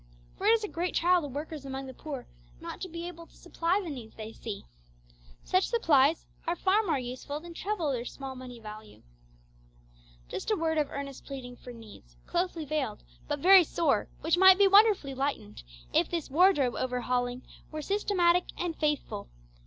For it is a great trial to workers among the poor not to be able to supply the needs they see. Such supplies are far more useful than treble their small money value. Just a word of earnest pleading for needs, closely veiled, but very sore, which might be wonderfully lightened if this wardrobe over hauling were systematic and faithful.